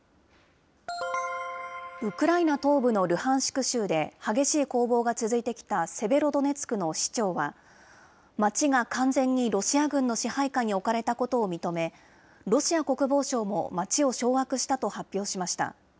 ウクライナ東部のルハンシク州で激しい攻防が続いてきたセベロドネツクの市長は、街が完全にロシア軍の支配下に置かれたことを認め、ロシア国防省も街を掌握したと発表しました。